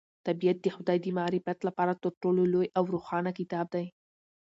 طبیعت د خدای د معرفت لپاره تر ټولو لوی او روښانه کتاب دی.